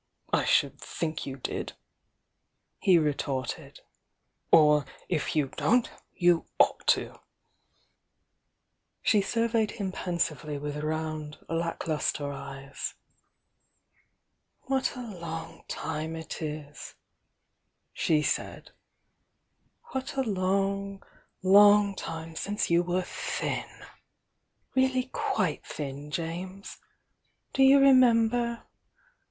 "I should think you did!" he retorted. "Or, if you don't, you ought to!" She surveyed him pensively with round, lack lustre eyes. "What a long time it is!" she said — "What a long, long time since you were thin! — really quite thin, James! Do you remember?